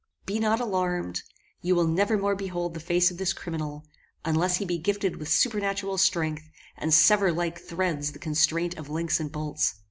"Be not alarmed; you will never more behold the face of this criminal, unless he be gifted with supernatural strength, and sever like threads the constraint of links and bolts.